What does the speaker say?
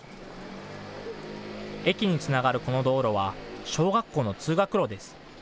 駅につながるこの道路は小学校の通学路です。